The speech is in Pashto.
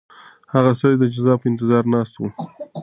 هغه سړی د جزا په انتظار ناست و.